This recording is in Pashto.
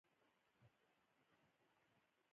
زده کړه د نجونو وړتیاوې راسپړي.